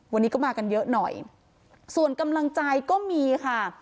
วันนี้ก็มากันเยอะหน่อยส่วนกำลังใจก็มีค่ะ